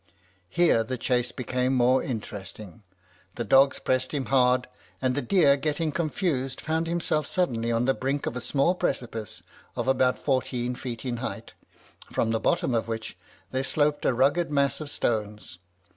Here the chase became most interesting the dogs pressed him hard, and the deer getting confused, found himself suddenly on the brink of a small precipice of about fourteen feet in height, from the bottom of which there sloped a rugged mass of stones.